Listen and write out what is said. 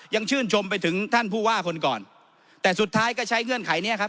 ชื่นชมไปถึงท่านผู้ว่าคนก่อนแต่สุดท้ายก็ใช้เงื่อนไขเนี้ยครับ